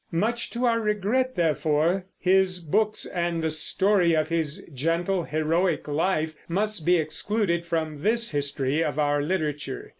Much to our regret, therefore, his books and the story of his gentle, heroic life must be excluded from this history of our literature.